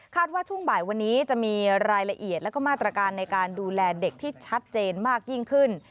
ว่าช่วงบ่ายวันนี้จะมีรายละเอียดแล้วก็มาตรการในการดูแลเด็กที่ชัดเจนมากยิ่งขึ้น